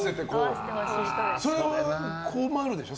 それは困るでしょ？